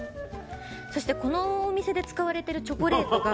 このお店で使われているチョコレートが。